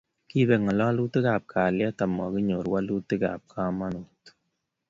Kibek ngalaet ab kalyet ama kinyor walutik ab kamanut